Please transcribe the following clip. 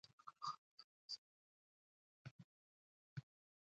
د ظلم د مینځلو لپاره د عدالت او اوبو ګډول وکاروئ